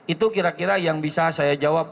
itu kira kira yang bisa saya jawab